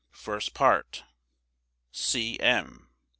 First Part. C. M.